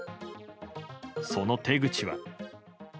その手口は。